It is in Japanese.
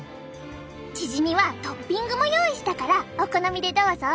チヂミはトッピングも用意したからお好みでどうぞ！